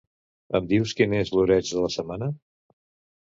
Em dius quin és l'oreig de la setmana?